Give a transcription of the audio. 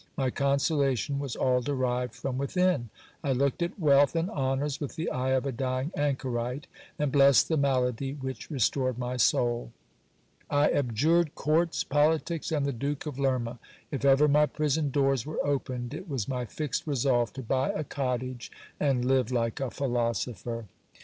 My consolation was all derived from within. I looked at wealth and honours with the eye of a dying anchorite, and blessed the malady which restored my soul. I abjured courts, politics, and the Duke of Lerma. If ever my prison doors were opened, it was my fixed resolve to buy a cottage, and live like a philosopher.